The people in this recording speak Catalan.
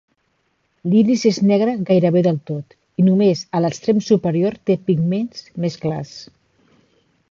L'iris és negre gairebé del tot, i només a l'extrem superior té pigments més clars.